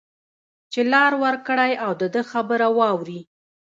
چې لار ورکړی او د ده خبره واوري